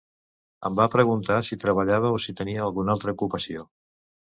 Em va preguntar si treballava o si tenia alguna altra ocupació.